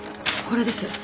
これです。